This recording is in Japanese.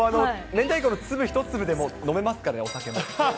明太子の粒１粒でも飲めますからね、お酒も。